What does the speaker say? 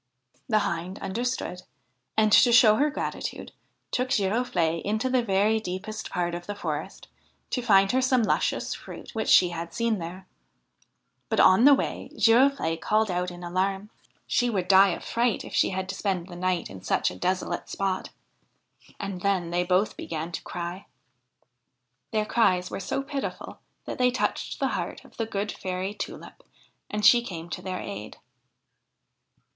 The Hind understood, and, to show her gratitude, took Giroflee into the very deepest part of the forest to find her some luscious fruit which she had seen there ; but on the way Girofle'e called out in alarm : she would die of fright if she had to spend the night in such a desolate spot ; and then they both began to cry. Their cries were so pitiful that they touched the heart of the good Fairy Tulip, and she came to their aid.